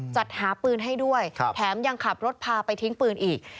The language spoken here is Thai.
จัดหาปืนให้ด้วยแถมยังขับรถพาไปทิ้งปืนอีก